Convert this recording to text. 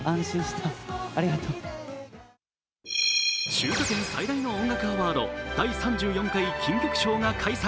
中華圏最大の音楽アワード第３４回金曲奨が開催。